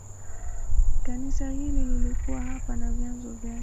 Kanisa hili lilikuwa hapa na vyanzo vyake.